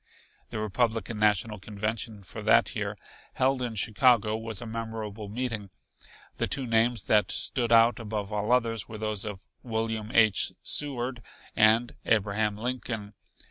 The Republican National Convention for that year, held in Chicago, was a memorable meeting. The two names that stood out above all others were those of William H. Seward and Abraham Lincoln.